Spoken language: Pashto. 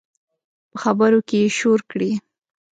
په خبرو کې یې شور کړي